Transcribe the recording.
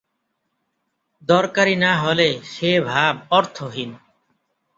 দরকারি না হলে সে-ভাব অর্থহীন।